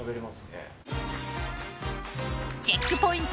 ［チェックポイント